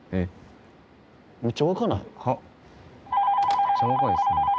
☎めっちゃ若いですね。